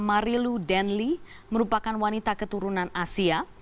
marilu denli merupakan wanita keturunan asia